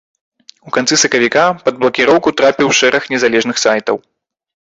У канцы сакавіка пад блакіроўку трапіў шэраг незалежных сайтаў.